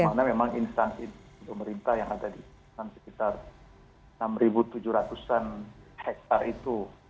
karena memang instansi pemerintah yang ada di sekitar enam tujuh ratus an hektare itu